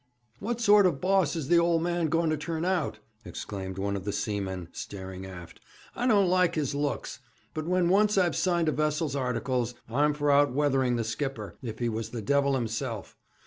'What sort of boss is th' ole man going to turn out?' exclaimed one of the seamen, staring aft. 'I don't like his looks. But when once I've signed a vessel's articles I'm for outweathering the skipper, if he was the devil himself.